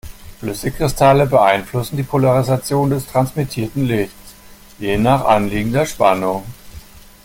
Flüssigkristalle beeinflussen die Polarisation des transmittierten Lichts je nach anliegender Spannung.